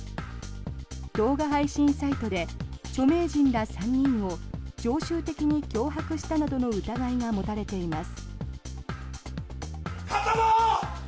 動画配信サイトで著名人ら３人を常習的に脅迫したなどの疑いが持たれています。